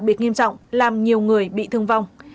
biệt nghiêm trọng làm nhiều người bị thương vong